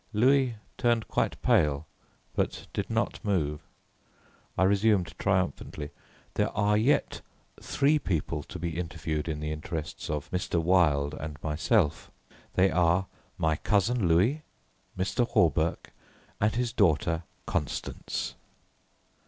Louis turned quite pale, but did not move. I resumed triumphantly, "There are yet three people to be interviewed in the interests of Mr. Wilde and myself. They are my cousin Louis, Mr. Hawberk, and his daughter Constance."